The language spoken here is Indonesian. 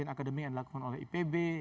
akademi yang dilakukan oleh ipb